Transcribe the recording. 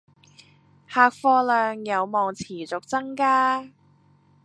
客貨量有望持續增加